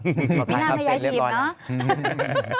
มินามไม่ย้ายหยิบเนอะ